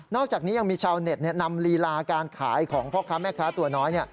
อกจากนี้ยังมีชาวเน็ตนำลีลาการขายของพ่อค้าแม่ค้าตัวน้อย